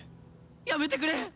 やめてくれ！